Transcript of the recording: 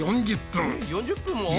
４０分も？